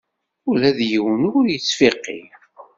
Ula d yiwen ur yettfiqi.